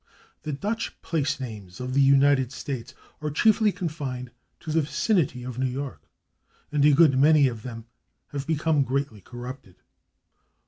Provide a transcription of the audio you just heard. The Dutch place names of the United States are chiefly confined to the vicinity of New York, and a good many of them have become greatly corrupted.